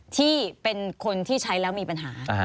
ที่เป็นคนที่ใช้แล้วมีปัญหา